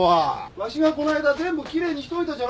わしがこないだ全部きれいにしといたじゃろ。